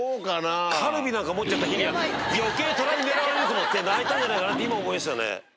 カルビなんか持った日には余計トラに狙われると思って泣いたんじゃないかと思いました。